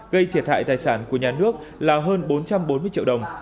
gây thiệt hại tài sản của nhà nước là hơn bốn trăm bốn mươi triệu đồng